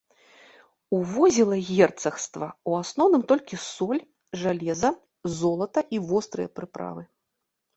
Увозіла герцагства ў асноўным толькі соль, жалеза, золата і вострыя прыправы.